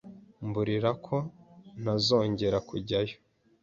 Mburira ko ntazongera kujyayo.